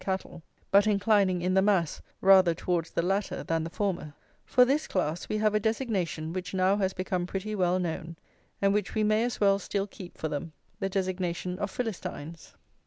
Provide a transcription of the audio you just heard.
Cattle, but inclining, in the mass, rather towards the latter than the former for this class we have a designation which now has become pretty well known, and which we may as well still keep for them, the designation of Philistines.